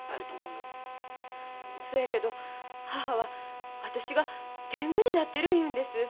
そやけど母は私がてんぐになってる言うんです。